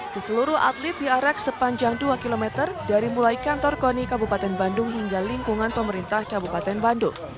di seluruh atlet diarak sepanjang dua km dari mulai kantor koni kabupaten bandung hingga lingkungan pemerintah kabupaten bandung